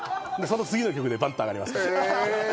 次の曲でパッとあがりますから。